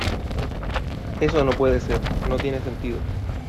eso no puede ser, no tiene sentido.